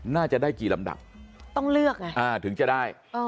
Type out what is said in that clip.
น่าจะได้กี่ลำดับถึงจะได้